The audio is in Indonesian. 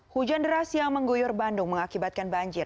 hujan deras yang mengguyur bandung mengakibatkan banjir